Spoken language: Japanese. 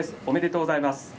おめでとうございます。